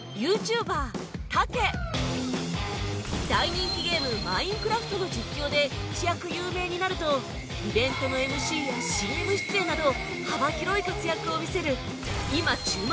大人気ゲーム『Ｍｉｎｅｃｒａｆｔ』の実況で一躍有名になるとイベントの ＭＣ や ＣＭ 出演など幅広い活躍を見せる